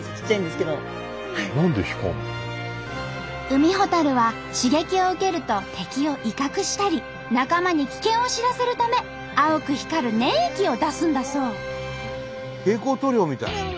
ウミホタルは刺激を受けると敵を威嚇したり仲間に危険を知らせるため青く光る粘液を出すんだそう。